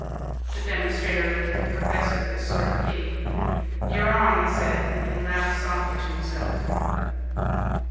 The demonstrator looked at the professor with a sort of pity. "You're on!" he said, and he laughed softly to himself.